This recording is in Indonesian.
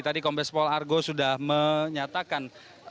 jadi tadi kompes pol argo sudah menyatakan